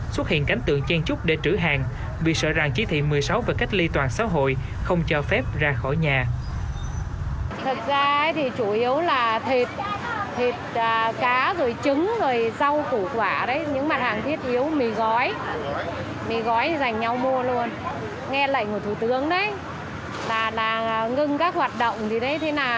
xuất hiện cánh tượng chan trúc để trữ hàng vì sợ rằng chí thị một mươi sáu và cách ly toàn xã hội không cho phép ra khỏi nhà